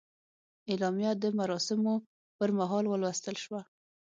اعلامیه د مراسمو پر مهال ولوستل شوه.